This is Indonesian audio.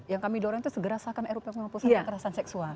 yang kami dorong itu segerasakan ruppks menghapuskan kekerasan seksual